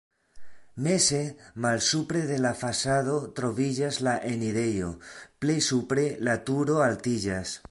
Meze, malsupre de la fasado troviĝas la enirejo, plej supre la turo altiĝas.